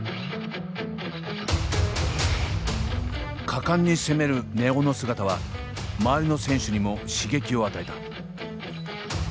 果敢に攻める根尾の姿は周りの選手にも刺激を与えた。